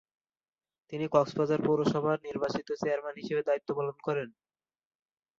তিনি কক্সবাজার পৌরসভার নির্বাচিত চেয়ারম্যান হিসেবে দায়িত্ব পালন করেন।